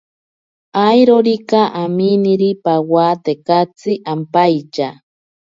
Airorika aminiri pawa tekatsi ampaitya.